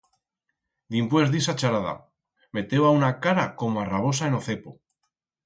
Dimpués d'ixa charada, meteba una cara como a rabosa en o cepo!